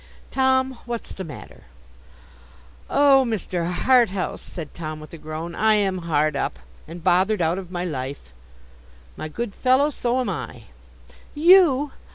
'Tom, what's the matter?' 'Oh! Mr. Harthouse,' said Tom with a groan, 'I am hard up, and bothered out of my life.' 'My good fellow, so am I.' 'You!